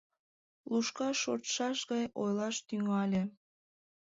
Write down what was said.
— Лушка шортшаш гай ойлаш тӱҥале.